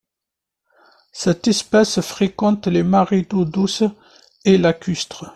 Cette espèce fréquente les marais d'eau douce et lacustre.